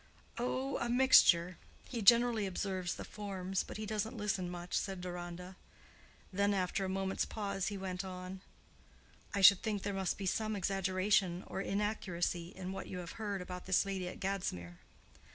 "Oh, a mixture. He generally observes the forms: but he doesn't listen much," said Deronda. Then, after a moment's pause, he went on, "I should think there must be some exaggeration or inaccuracy in what you have heard about this lady at Gadsmere."